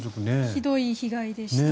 ひどい被害でした。